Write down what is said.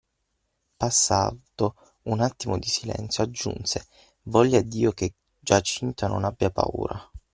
Passato un attimo di silenzio, aggiunse:"Voglia Dio che Giacinta non abbia paura."